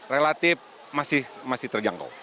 relatif masih terjangkau